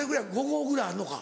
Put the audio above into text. ５合ぐらいあんのか？